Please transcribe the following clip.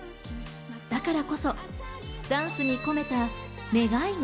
だからこそ、ダンスに込めた願いが。